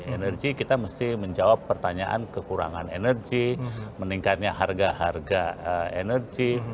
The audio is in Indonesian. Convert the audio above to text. energi kita mesti menjawab pertanyaan kekurangan energi meningkatnya harga harga energi